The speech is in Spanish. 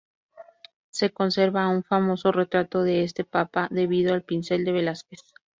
Se conserva un famoso retrato de este papa debido al pincel de Velázquez.